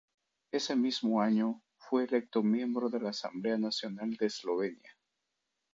Ese mismo año, fue electo miembro de la Asamblea Nacional de Eslovenia.